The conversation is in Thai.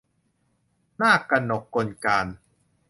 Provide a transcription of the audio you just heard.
นากกนกกลการ